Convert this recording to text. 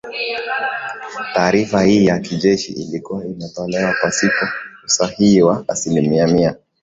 Taarifa hii ya kijeshi ilikua imetolewa pasipo usahihi wa asilimia mia